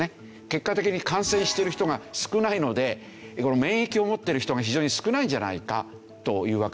結果的に感染している人が少ないので免疫を持っている人が非常に少ないんじゃないかというわけで。